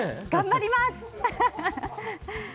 頑張ります！